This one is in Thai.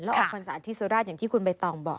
แล้วออกพรรษาที่สุราชอย่างที่คุณใบตองบอก